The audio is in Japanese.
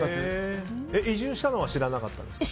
移住したのは知らなかったですか？